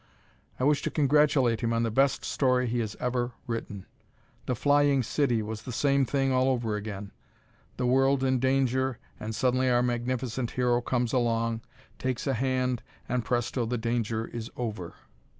I wish to congratulate him on the best story he has ever written! "The Flying City" was the same thing all over again. The world in danger and suddenly our magnificent hero comes along, takes a hand, and presto the danger is all over.